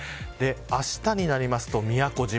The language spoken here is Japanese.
あしたなりますと宮古島